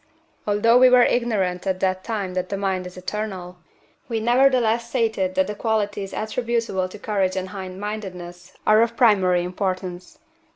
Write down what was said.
Although we were ignorant at that time that the mind is eternal, we nevertheless stated that the qualities attributable to courage and high mindedness are of primary importance.